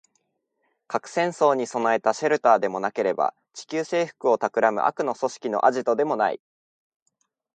核戦争に備えたシェルターでもなければ、地球制服を企む悪の組織のアジトでもない